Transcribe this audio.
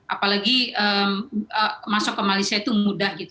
apalagi masuk ke malaysia itu mudah gitu